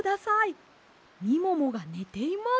みももがねています。